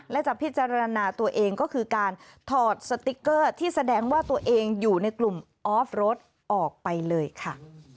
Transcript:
และจะพิจารณาตัวเองก็คือการถอดสติ๊กเกอร์ที่แสดงว่าตัวเองอยู่ในกลุ่มออฟรถออกไปเลยค่ะ